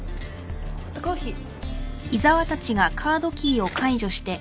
ホットコーヒー。